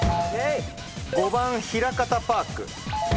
５番ひらかたパーク。